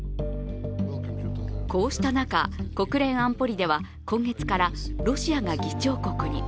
こうした中、国連安保理では今月からロシアが議長国に。